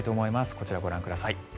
こちら、ご覧ください。